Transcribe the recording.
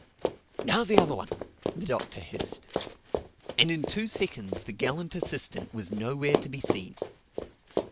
"Now the other one," the Doctor hissed. And in two seconds the gallant assistant was nowhere to be seen.